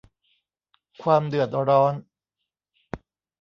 ความเดือดร้อน